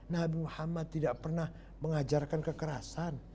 nabi muhammad tidak pernah mengajarkan kekerasan